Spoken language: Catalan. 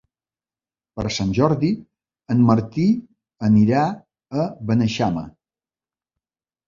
Per Sant Jordi en Martí anirà a Beneixama.